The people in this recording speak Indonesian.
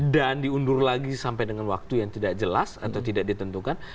dan diundur lagi sampai dengan waktu yang tidak jelas atau tidak ditentukan